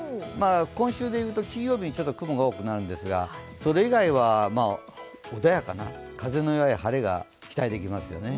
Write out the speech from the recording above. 今週でいうと、金曜日にちょっと雲が多くなるんですが、それ以外は穏やかな、風のない晴れが期待できますよね。